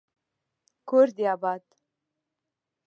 کور دي اباد